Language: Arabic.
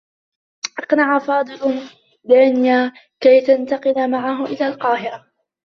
أقنع فاضل دانية كي تنتقل معه إلى القاهرة.